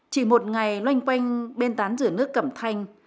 chỉ một ngày loanh quanh bên tán rửa nước cẩm thanh